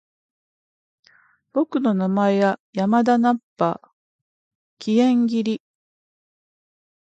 僕の名前は山田ナッパ！気円斬！